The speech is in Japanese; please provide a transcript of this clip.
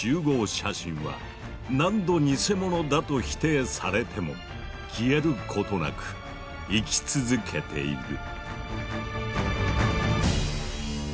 写真は何度ニセモノだと否定されても消えることなく生き続けている。